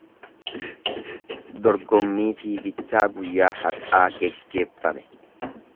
Dorgommii fiigichaa guyyaa har’aa geggeeffame.